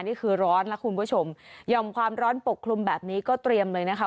นี่คือร้อนนะคุณผู้ชมยอมความร้อนปกคลุมแบบนี้ก็เตรียมเลยนะคะ